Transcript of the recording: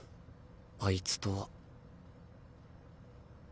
あいつとは。